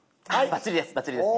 バッチリです。